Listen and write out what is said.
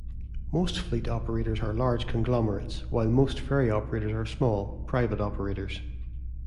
Most fleet operators are large conglomerates, while most ferry operators are small, private operators.